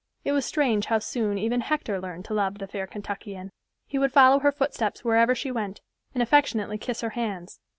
It was strange how soon even Hector learned to love the fair Kentuckian. He would follow her footsteps wherever she went, and affectionately kiss her hands.